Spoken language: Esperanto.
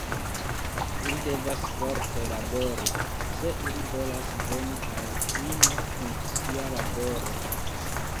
Ili devas forte labori, se ili volas veni al fino kun sia laboro.